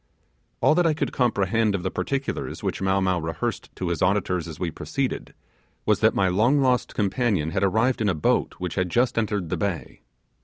All that I could comprehend of the particulars which Mow Mow rehearsed to his audience as we proceeded, was that my long lost companion had arrived in a boat which had just entered the bay.